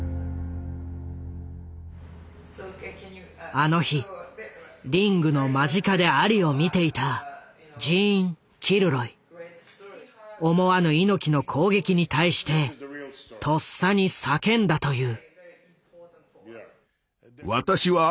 あの日リングの間近でアリを見ていた思わぬ猪木の攻撃に対してとっさに叫んだという。